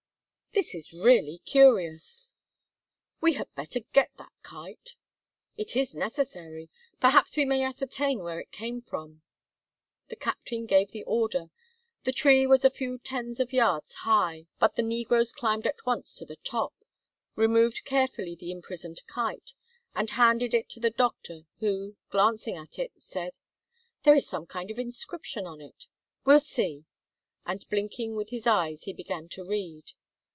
"This is really curious." "We had better get that kite." "It is necessary. Perhaps we may ascertain where it came from." The captain gave the order. The tree was a few tens of yards high, but the negroes climbed at once to the top, removed carefully the imprisoned kite, and handed it to the doctor who, glancing at it, said: "There is some kind of inscription on it. We'll see." And blinking with his eyes he began to read.